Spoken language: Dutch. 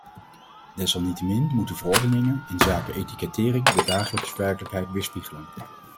Desalniettemin moeten verordeningen inzake etikettering de dagelijkse werkelijkheid weerspiegelen.